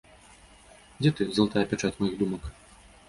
Дзе ты, залатая пячаць маіх думак?